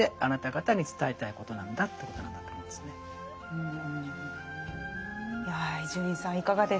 うん。